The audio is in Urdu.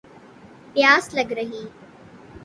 پیاس لَگ رہی